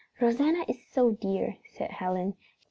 "Rosanna is so dear," said Helen.